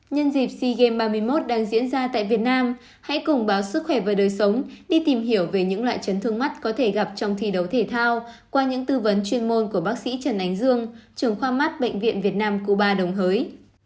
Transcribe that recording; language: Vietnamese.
nhân dịp sea games ba mươi một đang diễn ra tại việt nam hãy cùng báo sức khỏe về đời sống đi tìm hiểu về những loại chấn thương mắt có thể gặp trong thi đấu thể thao qua những tư vấn chuyên môn của bác sĩ trần ánh dương trường khoa mắt bệnh viện việt nam cuba đồng hới